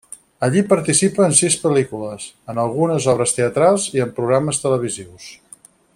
Allí participa en sis pel·lícules, en algunes obres teatrals i en programes televisius.